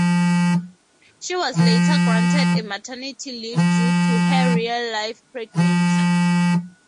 She was later granted a maternity leave due to her real life pregnancy.